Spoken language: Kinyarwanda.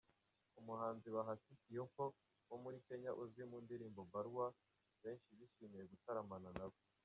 Umuhanzi Bahati Kioko wo muri Kenya uzwi mu ndirimbo Barua, benshi bishimiye gutaramana nawe.